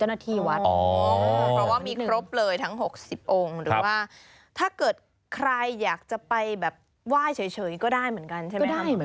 หรือว่าถ้าเกิดใครอยากจะไปว่ายเฉยก็ได้เหมือนกันใช่ไหมครับ